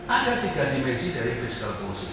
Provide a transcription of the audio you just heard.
ada tiga dimensi dari fiscal policy